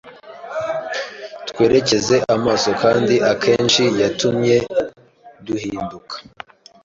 Twerekeze amaso kandi akenshi yatumye duhinduka